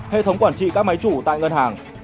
hệ thống quản trị các máy chủ tại ngân hàng